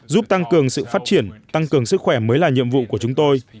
giúp tăng cường sự phát triển tăng cường sức khỏe mới là nhiệm vụ của chúng tôi